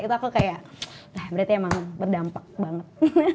itu aku kayak berarti emang berdampak banget